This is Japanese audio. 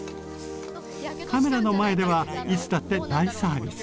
カメラの前ではいつだって大サービス！